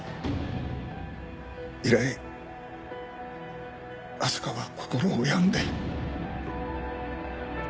以来明日香は心を病んで。